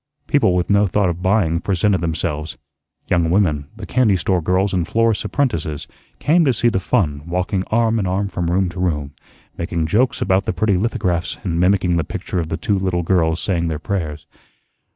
People with no thought of buying presented themselves. Young women the candy store girls and florist's apprentices came to see the fun, walking arm in arm from room to room, making jokes about the pretty lithographs and mimicking the picture of the two little girls saying their prayers.